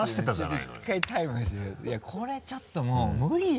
いやこれちょっともう無理よ。